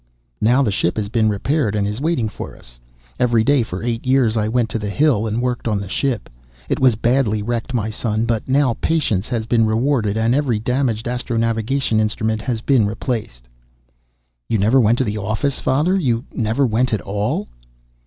"Now the ship has been repaired and is waiting for us. Every day for eight years I went to the hill and worked on the ship. It was badly wrecked, my son, but now my patience has been rewarded, and every damaged astronavigation instrument has been replaced." "You never went to the office, father? You never went at all?"